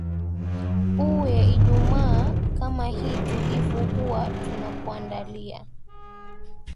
u ya ijumaa kama hii tulivu huwa tunakwandalia